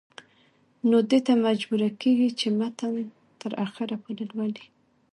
نو دې ته مجبوره کيږي چې متن تر اخره پورې لولي